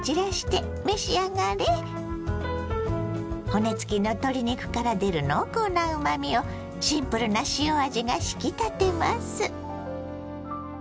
骨付きの鶏肉から出る濃厚なうまみをシンプルな塩味が引き立てます。